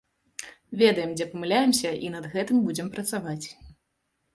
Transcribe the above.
Ведаем, дзе памыляемся, і над гэтым будзем працаваць.